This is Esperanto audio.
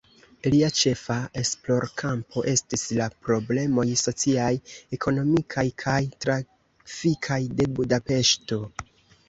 Lia ĉefa esplorkampo estis la problemoj sociaj, ekonomikaj kaj trafikaj de Budapeŝto.